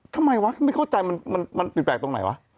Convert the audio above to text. ทำไมวะไม่เข้าใจมันผิดแปลกตรงไหนวะ